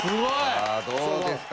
さあどうですか？